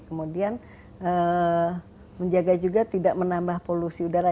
kemudian menjaga juga tidak menambah polusi udara